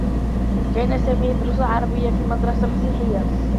كان سامي يدرّس العربيّة في مدرسة مسيحيّة.